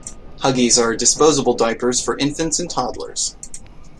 Huggies are disposable diapers for infants and toddlers.